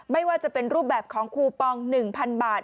ไม่ว่าจะเป็นรูปแบบของคูปอง๑๐๐๐บาท